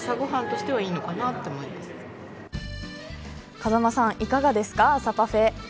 風間さん、いかがですか朝パフェ。